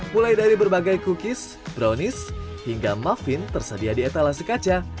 mulai dari berbagai cookies brownies hingga muffin tersedia di etalase kaca